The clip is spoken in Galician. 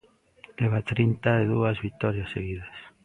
Leva trinta e dúas vitorias seguidas.